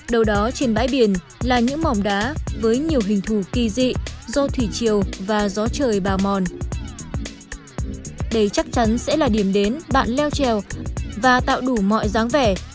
đầu đó trên bãi biển là những mỏm đá với nhiều hình thù kỳ vọng